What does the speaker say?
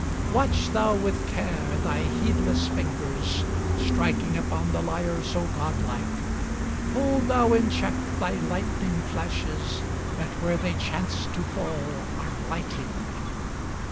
Watch thou with care thy heedless fingers Striking upon the lyre so godlike; Hold thou in check thy lightning flashes, That where they chance to fall are blighting.